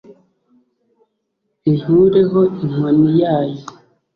inkureho inkoni yayo